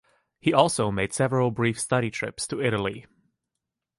He also made several brief study trips to Italy.